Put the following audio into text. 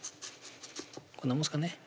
こんなもんですかね